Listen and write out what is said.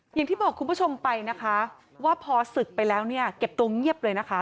อย่างที่บอกคุณผู้ชมไปนะคะว่าพอศึกไปแล้วเนี่ยเก็บตัวเงียบเลยนะคะ